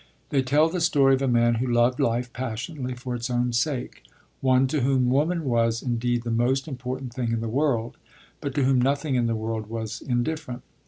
They tell the story of a man who loved life passionately for its own sake: one to whom woman was, indeed, the most important thing in the world, but to whom nothing in the world was indifferent.